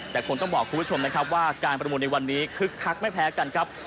แต่คงต้องบอกคุณผู้ชมนะครับว่าการประมูลในวันนี้คึกคักไม่แพ้กันครับ